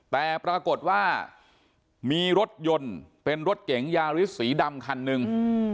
แต่ปรากฏว่ามีรถยนต์เป็นรถเก๋งยาริสสีดำคันหนึ่ง